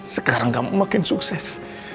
sekarang kamu makin sukses